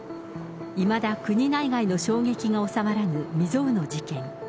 いまだ国内外の衝撃が収まらぬ未曽有の事件。